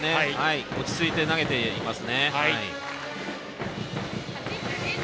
落ち着いて投げています。